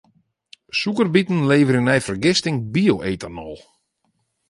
Sûkerbiten leverje nei fergisting bio-etanol.